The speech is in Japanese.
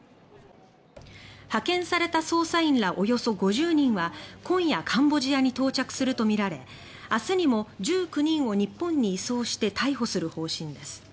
派遣された捜査員らおよそ５０人は今夜、カンボジアに到着するとみられ明日にも１９人を日本に移送して逮捕する方針です。